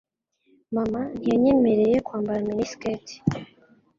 Mama ntiyanyemereye kwambara miniskirt.